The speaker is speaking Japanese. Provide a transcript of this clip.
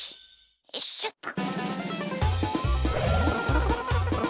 よいしょっと。